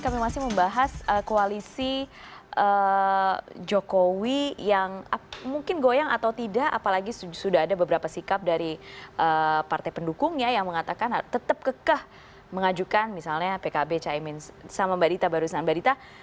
kami masih membahas koalisi jokowi yang mungkin goyang atau tidak apalagi sudah ada beberapa sikap dari partai pendukungnya yang mengatakan tetap kekeh mengajukan misalnya pkb caimin sama mbak dita barusan barita